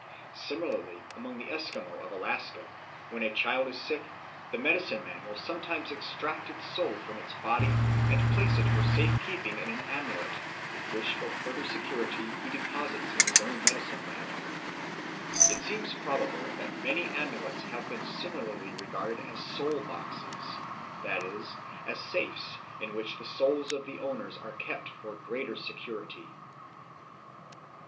Similarly among the Esquimaux of Alaska, when a child is sick, the medicine man will sometimes extract its soul from its body and place it for safe keeping in an amulet, which for further security he deposits in his own medicine bag. It seems probable that many amulets have been similarly regarded as soul boxes, that is, as safes in which the souls of the owners are kept for greater security.